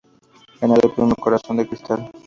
Ganador Premio Corazón de Cristal.